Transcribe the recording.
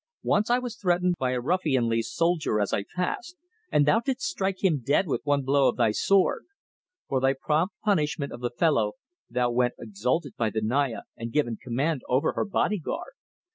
Once I was threatened by a ruffianly soldier as I passed, and thou didst strike him dead with one blow of thy sword. For thy prompt punishment of the fellow thou wert exalted by the Naya and given command over her body guard.